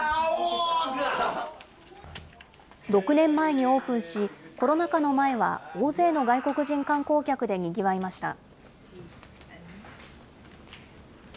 ６年前にオープンし、コロナ禍の前は大勢の外国人観光客でにぎわいました。